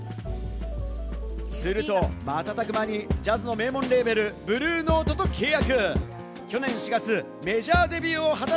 すると、瞬く間にジャズの名門レーベル、ブルーノートと契約。